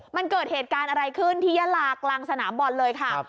มันเกิดเหตุการณ์อะไรขึ้นที่ยาลากลางสนามบอลเลยค่ะ